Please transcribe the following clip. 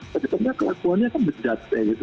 tapi sebenarnya kelakuannya kan berdate